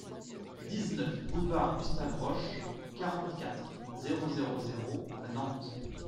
dix-neuf boulevard Gustave Roch, quarante-quatre, zéro zéro zéro à Nantes